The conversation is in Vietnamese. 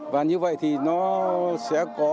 và như vậy thì nó sẽ có